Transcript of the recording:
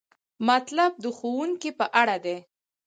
مطلب د ښوونکي په اړه دی.